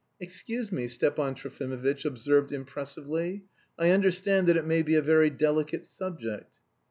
"Excuse me," Stepan Trofimovitch observed impressively. "I understand that it may be a very delicate subject...."